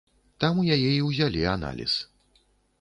Там у яе і ўзялі аналіз.